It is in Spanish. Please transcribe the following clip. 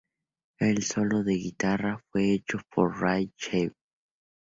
El solo de guitarra fue hecho por Ray Chew.